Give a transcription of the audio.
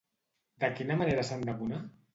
De quina manera s'han d'abonar?